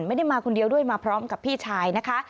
ไม่ได้มาคนเดียวด้วยมาพร้อมกับพี่ชายนะคะ